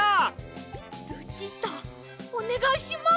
ルチータおねがいします！